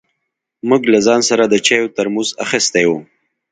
موږ له ځان سره د چای ترموز اخيستی و.